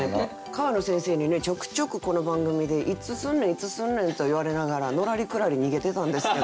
川野先生にねちょくちょくこの番組で「いつすんねんいつすんねん」と言われながらのらりくらり逃げてたんですけど。